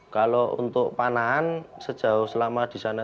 kalau untuk panahan sejauh selama di sana